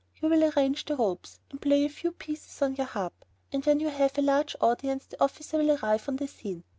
You will arrange the ropes, and play a few pieces on your harp, and when you have a large audience the officer will arrive on the scene.